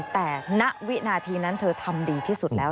แต่ณวินาทีนั้นเธอทำดีที่สุดแล้ว